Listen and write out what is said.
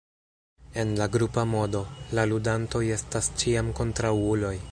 En la grupa modo, la ludantoj estas ĉiam kontraŭuloj.